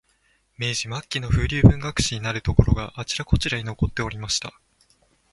明治末期の風流文学史になるところが、あちらこちらに残っておりました